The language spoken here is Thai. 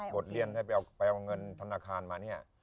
บทเรียนเอาเงินธนาคารมา